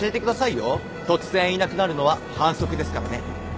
突然いなくなるのは反則ですからね。